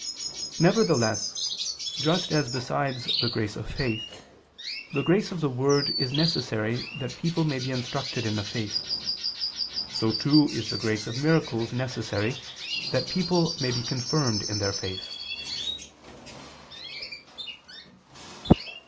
Nevertheless, just as besides the grace of faith, the grace of the word is necessary that people may be instructed in the faith, so too is the grace of miracles necessary that people may be confirmed in their faith.